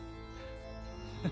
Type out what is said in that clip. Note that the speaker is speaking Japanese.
フフ。